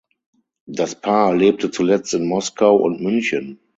Das Paar lebte zuletzt in Moskau und München.